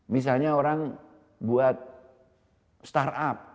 misalnya orang buat startup